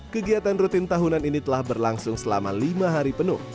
kegiatan rutin tahunan ini telah berlangsung selama lima hari penuh